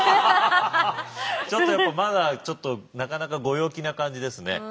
ちょっとやっぱまだなかなかご陽気な感じですね。